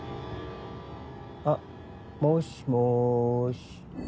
あっもしもし。